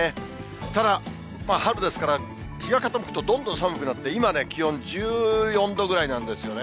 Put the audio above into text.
ただ、春ですから、日が傾くとどんどん寒くなって、今ね、気温１４度ぐらいなんですよね。